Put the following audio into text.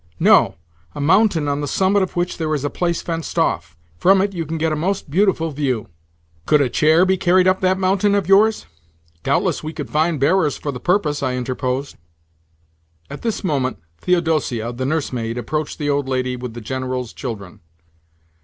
"No, a mountain on the summit of which there is a place fenced off. From it you can get a most beautiful view." "Could a chair be carried up that mountain of yours?" "Doubtless we could find bearers for the purpose," I interposed. At this moment Theodosia, the nursemaid, approached the old lady with the General's children.